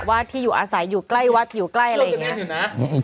ที่อยู่อาศัยอยู่ใกล้วัดอยู่ใกล้อะไรอย่างนี้